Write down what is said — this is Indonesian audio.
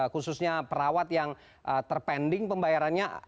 khususnya perawat yang terpending pembayarannya